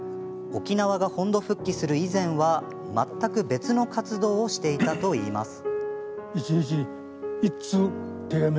沖縄が本土復帰する以前は全く別の活動をしていたといいます。